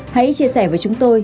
hãy chia sẻ với chúng tôi